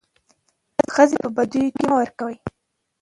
ښځي په بديو کي مه ورکوئ.